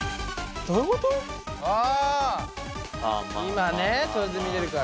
今ねそれで見れるから。